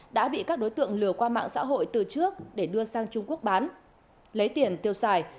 đã bị các đối tượng lừa qua mạng xã hội từ trước để đưa sang trung quốc bán lấy tiền tiêu xài